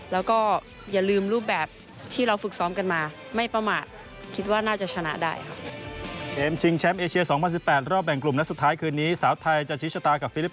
แล้วก็อย่าลืมรูปแบบที่เราฝึกซ้อมกันมาไม่ประมาท